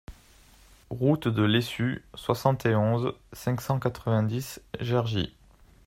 Route de Lessu, soixante et onze, cinq cent quatre-vingt-dix Gergy